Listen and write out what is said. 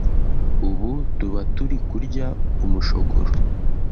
ubu tuba turi kurya umushogoro